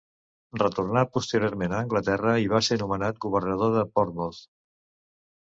Retornà posteriorment a Anglaterra i va ser nomenat governador de Portsmouth.